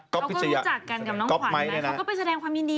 ก๊อบพิชยะเขาก็รู้จักกันกับน้องขวัญนะเขาก็ไปแสดงความยินดีนะ